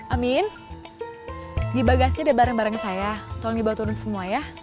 amin di bagasnya ada barang barang saya tolong dibawa turun semua ya